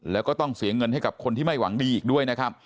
แล้วก็ต้องเสียเงินให้กับคนที่ไม่หวังดีอีกด้วยนะครับ